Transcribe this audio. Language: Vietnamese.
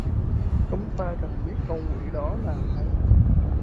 Chúng ta cần biết con quỷ đó là ai